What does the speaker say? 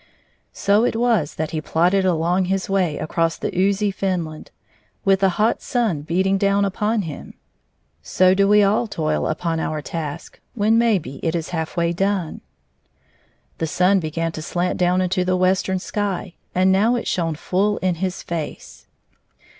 So it was that he plodded along his way across the oozy fenland, with the hot sun beating down upon him. So do we all toil upon our task when maybe it is half way done. The sun began to slant down into the western sky, and now it shone ftiU in his face.